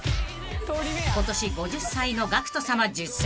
［今年５０歳のＧＡＣＫＴさま実践